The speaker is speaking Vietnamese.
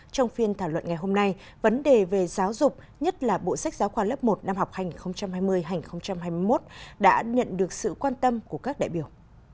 trong phiên thảo luận ngày hôm nay vấn đề về giáo dục nhất là bộ sách giáo khoa lớp một năm học hành hai mươi hai nghìn hai mươi một đã nhận được sự quan tâm của các đại biểu